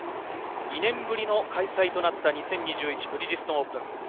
２年ぶりの開催となった、２０２１ブリヂストンオープン。